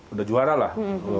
udah juara lah